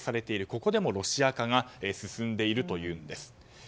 ここでもロシア化が進んでいるというんです。